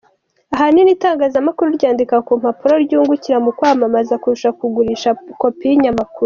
Ahanini itangazamakuru ryandika ku mpapuro ryungukira mu kwamamaza kurusha kugurisha kopi y’ikinyamakuru.